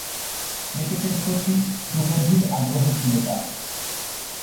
ক্রিকেটের প্রতি সুগভীর আগ্রহ ছিল তার।